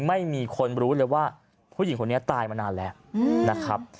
ไม่มีคนรู้เลยว่าผู้หญิงคนนี้ตายมานานแล้วนะครับ